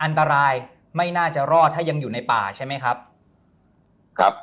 อันตรายไม่น่าจะรอดถ้ายังอยู่ในป่าใช่ไหมครับครับ